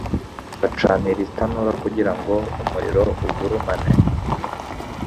bacanira itanura kugira ngo umuriro ugurumane